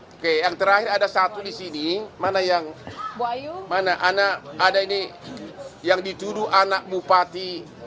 hai oke yang terakhir ada satu disini mana yang buayu mana anak ada ini yang dituduh anak bupati